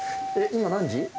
今何時？